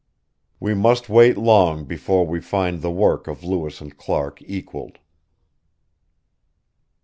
We must wait long before we find the work of Lewis and Clark equaled.